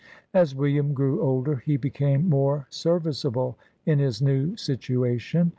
As "William grew older, he became more serviceable in his new situation.